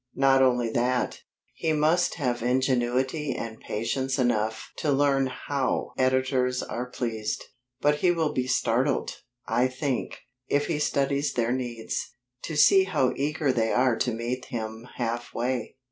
Not only that, he must have ingenuity and patience enough to learn how editors are pleased; but he will be startled, I think, if he studies their needs, to see how eager they are to meet him half way.